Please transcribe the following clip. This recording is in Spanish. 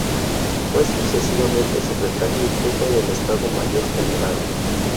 Fue sucesivamente secretario y jefe del estado mayor general.